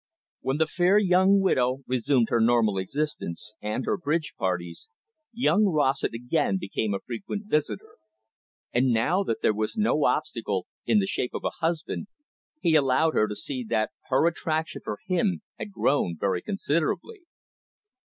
When the fair young widow resumed her normal existence, and her bridge parties, young Rossett again became a frequent visitor. And now that there was no obstacle in the shape of a husband, he allowed her to see that her attraction for him had grown very considerably.